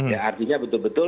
ya artinya betul betul